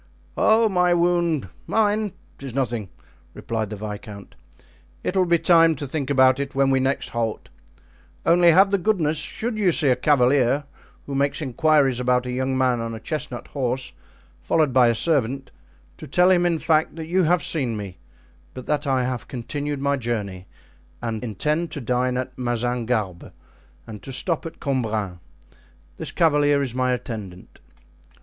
"Oh, my wound—mine—'tis nothing," replied the viscount; "it will be time to think about it when we next halt; only have the goodness, should you see a cavalier who makes inquiries about a young man on a chestnut horse followed by a servant, to tell him, in fact, that you have seen me, but that I have continued my journey and intend to dine at Mazingarbe and to stop at Cambrin. This cavalier is my attendant."